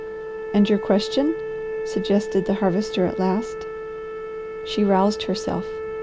"And your question," suggested the Harvester at last. She roused herself.